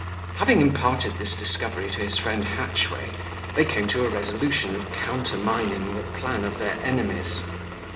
Having imparted this discovery to his friend Hatchway, they came to a resolution of countermining the plan of their enemies.